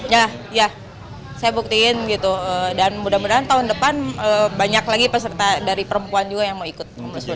ya ya saya buktiin gitu dan mudah mudahan tahun depan banyak lagi peserta dari perempuan juga yang mau ikut